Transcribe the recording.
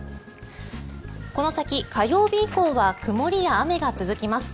この先、火曜日以降は曇りや雨が続きます。